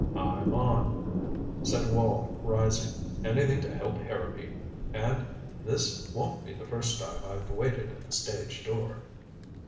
"I'm on," said Wall, rising. "Anything to help Harrowby. And this won't be the first time I've waited at the stage door."